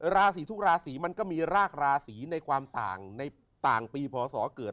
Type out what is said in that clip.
ราศีทุกราศีมันก็มีรากราศีในความต่างในต่างปีพศเกิด